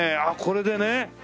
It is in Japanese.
あっこれでね。